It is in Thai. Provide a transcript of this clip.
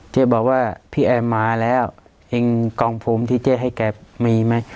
เจ๊บอกว่าพี่แอมมาแล้วเองกองผมที่เจ๊ให้แกมีไหม